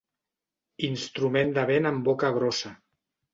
Instrument de vent amb boca grossa.